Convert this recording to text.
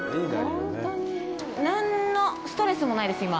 何のストレスもないです、今。